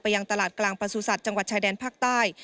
ยังตลาดกลางประสุทธิ์จังหวัดชายแดนภาคใต้